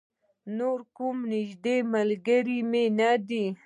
نور کوم نږدې ملگری مې نه دی.